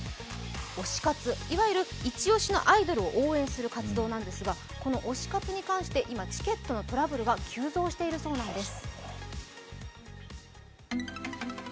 推し活、いわゆるイチ押しのアイドルを応援する活動なんですが、この推し活に関して今、チケットのトラブルが急増しているそうです。